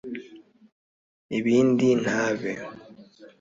ibindi ntabe